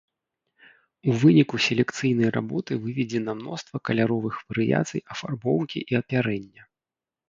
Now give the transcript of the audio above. У выніку селекцыйнай работы выведзена мноства каляровых варыяцый афарбоўкі і апярэння.